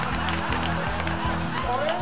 あれ？